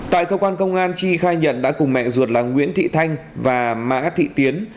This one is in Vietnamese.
tại cơ quan công an chi khai nhận đã cùng mẹ ruột là nguyễn thị thanh và mã thị tiến